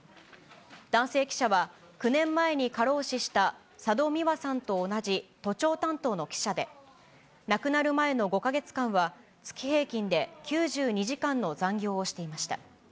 男性記者は、９年前に過労死した佐戸未和さんと同じ、都庁担当の記者で、亡くなる前の５か月間は、月平均で９２時間の残業をしていました。